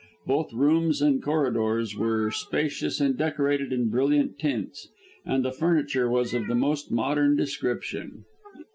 Both rooms and corridors were spacious and decorated in brilliant tints, and the furniture was of the most modern description.